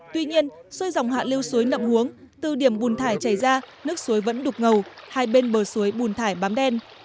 tuy nhiên suối dòng hạ liu suối nậm huống từ điểm bùn thải chảy ra nước suối vẫn đục ngầu hai bên bờ suối bùn thải bám đen